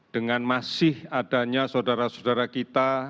dengan masih adanya saudara saudara kita